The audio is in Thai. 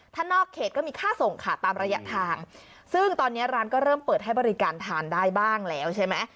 ถ้านอกเขตก็มีค่าส่งค่ะตามระยะทางซึ่งตอนนี้ร้านก็เริ่มเปิดให้บริการทานได้บ้างแล้วใช่ไหม